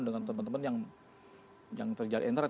dengan teman teman yang terjalan internet